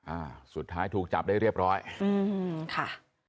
อ่าสุดท้ายถูกจับได้เรียบร้อยอืมค่ะ